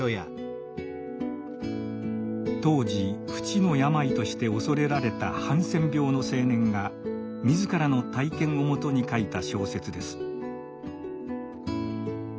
当時不治の病として恐れられたハンセン病の青年が自らの体験をもとに書いた小説です。